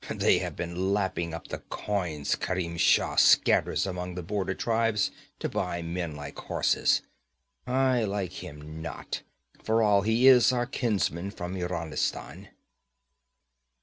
'They have been lapping up the coins Kerim Shah scatters among the border tribes to buy men like horses. I like him not, for all he is our kinsman from Iranistan.'